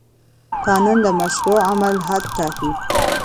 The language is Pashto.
قانون د مشروع عمل حد ټاکي.